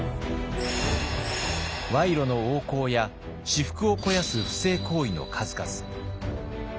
賄賂の横行や私腹を肥やす不正行為の数々。